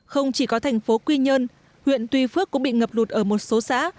không chỉ có thành phố quy nhơn huyện tuy phước cũng bị ngập lụt ở một số xã